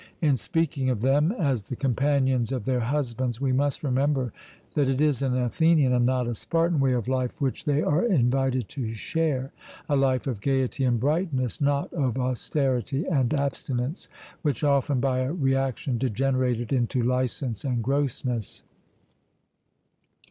In speaking of them as the companions of their husbands we must remember that it is an Athenian and not a Spartan way of life which they are invited to share, a life of gaiety and brightness, not of austerity and abstinence, which often by a reaction degenerated into licence and grossness.